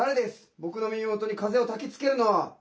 僕の耳元に風をたきつけるのは」。